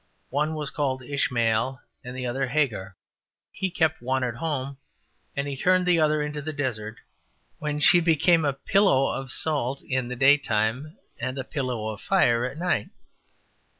One was called Ishmale and the other Hagher; he kept one at home, and he turned the other into the dessert, when she became a pillow of salt in the daytime and a pillow of fire at night.''